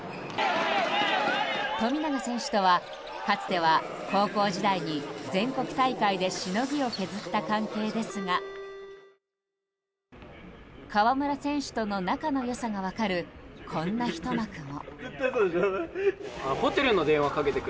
富永選手とはかつては高校時代に全国大会でしのぎを削った関係ですが河村選手との仲の良さが分かるこんなひと幕も。